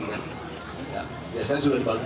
biasanya sudah dari pagi pagi